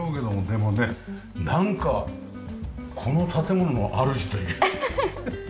でもねなんかこの建物のあるじというか。